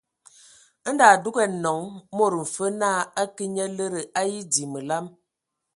Ndɔ a adugan nɔŋ mod mfe naa a ke nye lədə a edzii məlam.